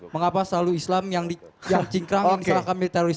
mengapa selalu islam yang cingkrang yang disalahkan militeroris